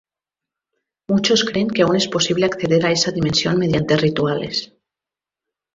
Muchos creen que aún es posible acceder a esa dimensión mediante rituales.